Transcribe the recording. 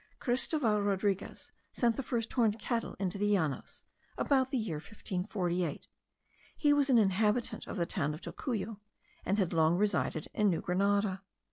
Christoval Rodriguez sent the first horned cattle into the Llanos, about the year 1548. He was an inhabitant of the town of Tocuyo, and had long resided in New Grenada.